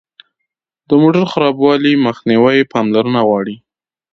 د موټر خرابوالي مخنیوی پاملرنه غواړي.